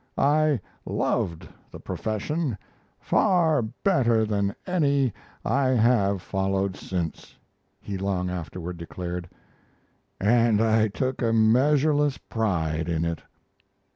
"I loved the profession far better than any I have followed since," he long afterward declared, "and I took a measureless pride in it."